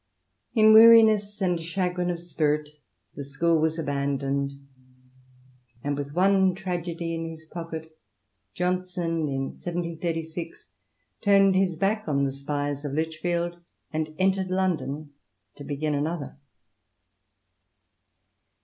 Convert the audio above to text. In weariness and chagrin of spirit, the school was aban doned, and with one tragedy in his pocket, Johnson, in 1736, turned his back on the spires of Lichfield, and entered London to begin another.